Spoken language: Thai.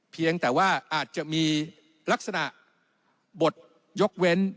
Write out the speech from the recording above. เพียงแต่ว่าอาจจะมีลักษณะบทยกเว้น